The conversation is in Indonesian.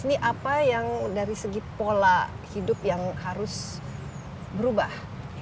ini apa yang dari segi pola hidup yang harus berubah